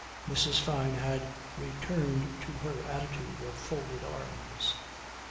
Mrs. Fyne had returned to her attitude of folded arms.